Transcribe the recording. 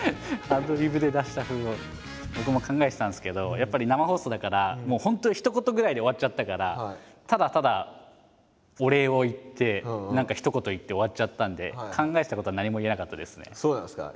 アドリブで出した風を僕も考えてたんですけどやっぱり生放送だから本当にひと言ぐらいで終わっちゃったからただただお礼を言って何かひと言言って終わっちゃったんでそうなんですか？